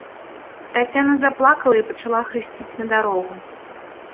Таццяна заплакала і пачала хрысціць на дарогу.